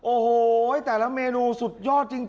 โอ้โหแต่ละเมนูสุดยอดจริง